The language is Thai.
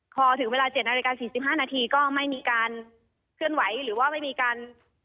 พอถึงเวลา๗นาฬิกา๔๕นาทีก็ไม่มีการเคลื่อนไหวหรือว่าไม่มีการ